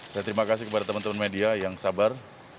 saya terima kasih kepada teman teman media yang sabar